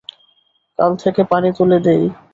কাল থেকে পানি তুলে দেই।